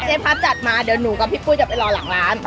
พัดจัดมาเดี๋ยวหนูกับพี่ปุ้ยจะไปรอหลังร้าน